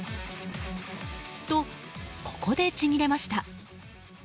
と、ここでちぎれました。